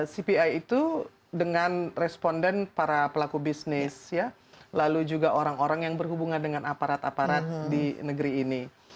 cpi itu dengan responden para pelaku bisnis lalu juga orang orang yang berhubungan dengan aparat aparat di negeri ini